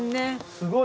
すごい。